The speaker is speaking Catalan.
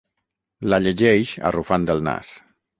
La llegeix arrufant el nas.